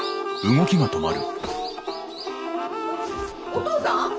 お義父さん？